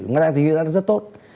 ngoài ra thì rất tốt